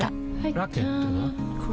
ラケットは？